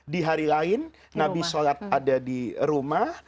di hari lain nabi sholat ada di rumah